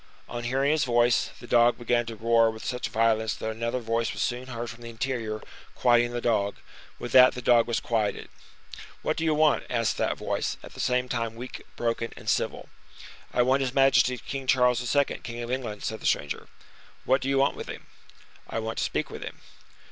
On hearing his voice, the dog began to roar with such violence that another voice was soon heard from the interior, quieting the dog. With that the dog was quieted. "What do you want?" asked that voice, at the same time weak, broken, and civil. "I want his majesty King Charles II., king of England," said the stranger. "What do you want with him?" "I want to speak with him."